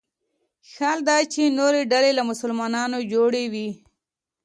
حال دا چې نورې ډلې له مسلمانانو جوړ وي.